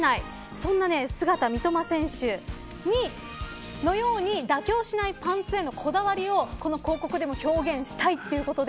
そんな姿、三笘選手のように妥協しないパンツへのこだわりをこの広告でも表現したいということで。